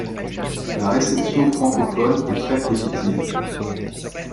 La réception francophone est très positive.